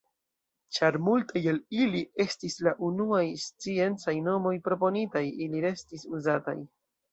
Ĉar multaj el ili estis la unuaj sciencaj nomoj proponitaj ili restis uzataj.